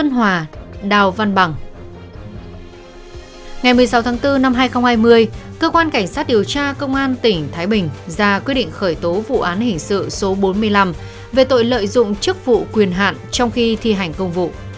năm hai nghìn hai mươi cơ quan cảnh sát điều tra công an tỉnh thái bình ra quyết định khởi tố vụ án hình sự số bốn mươi năm về tội lợi dụng chức vụ quyền hạn trong khi thi hành công vụ